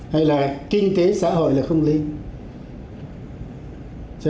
hay là kinh tế xã hội là không liên